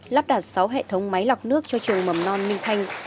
lắp đặt sáu hệ thống máy lọc nước cho trường mầm non minh thanh